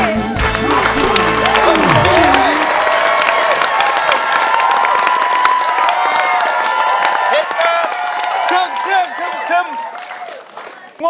รู้หรือสึ่ง